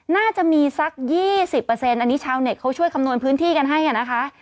น่าจะมีสัก๒๐อันนี้ชาวเน็ตเขาช่วยคำนวณพื้นที่กันให้นะคะ